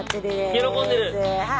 喜んでる。